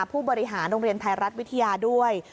ผู้บริหารโรงเรียนไทยรัฐวิทยาด้วย